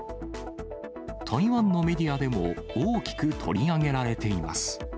台湾のメディアでも大きく取り上げられています。